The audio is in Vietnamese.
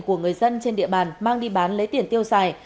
của người dân trên địa bàn mang đi bán lấy tiền tiêu xài